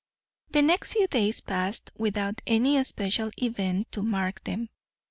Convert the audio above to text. The next few days passed without any special event to mark them.